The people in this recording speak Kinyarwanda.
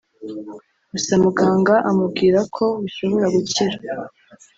gusa muganga amubwira ko bishobora gukira